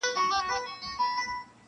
چا چي سوځولي زموږ د کلیو خړ کورونه دي-